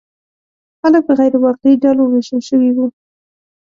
خلک په غیر واقعي ډلو ویشل شوي وو.